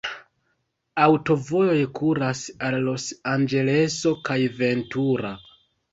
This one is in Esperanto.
Aŭtovojoj kuras al Los-Anĝeleso kaj Ventura.